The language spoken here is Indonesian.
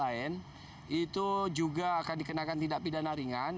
dari delapan puluh tiga yang lain itu juga akan dikenakan tidak pidana ringan